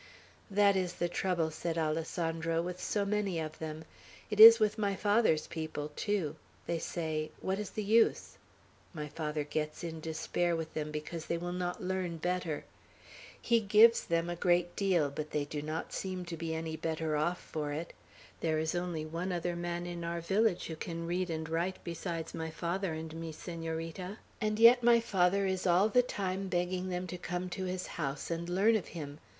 "That is the trouble," said Alessandro, "with so many of them; it is with my father's people, too. They say, 'What is the use?' My father gets in despair with them, because they will not learn better. He gives them a great deal, but they do not seem to be any better off for it. There is only one other man in our village who can read and write, besides my father and me, Senorita; and yet my father is all the time begging them to come to his house and learn of him.